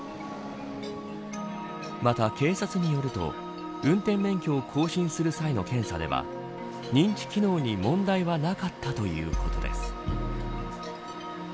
また、警察によると運転免許を更新する際の検査では認知機能に問題はなかったということです。